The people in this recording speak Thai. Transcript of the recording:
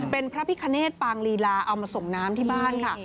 เป็นพระพิคเนตปางลีลาเอามาส่งน้ำที่บ้านค่ะ